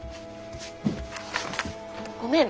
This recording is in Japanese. ごめん。